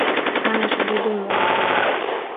أنا شديد الملاحظة.